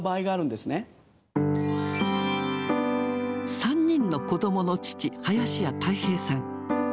３人の子どもの父、林家たい平さん。